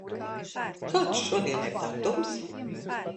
Kāds šodien ir datums?